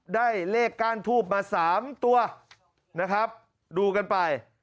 ได้เลขก้านทูบมา๓ตัวนะครับดูกันไป